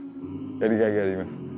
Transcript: やりがいがあります。